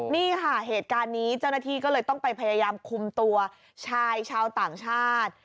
นี่ค่ะเหตุการณ์นี้เจ้าหน้าที่ก็เลยต้องไปพยายามคุมตัวชายชาวต่างชาติ